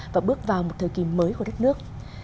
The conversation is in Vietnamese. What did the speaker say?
và bước vào một thời kỳ mới của đất nước